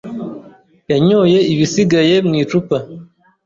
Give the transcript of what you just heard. yanyoye ibisigaye mu icupa.